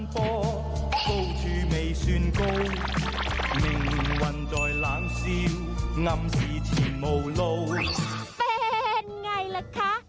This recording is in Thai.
เป็นไงล่ะคะ